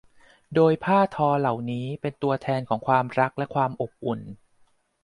โดยผ้าทอเหล่านี้เป็นตัวแทนของความรักและความอบอุ่น